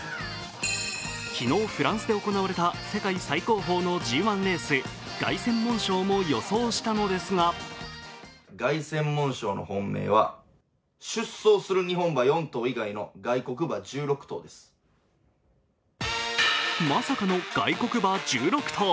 昨日、フランスで行われた世界最高峰のＧⅠレース、凱旋門賞も予想したのですがまさかの外国馬１６頭。